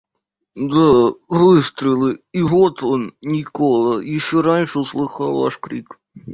Да, выстрелы, и вот он, Никола, еще раньше услыхал ваш крик.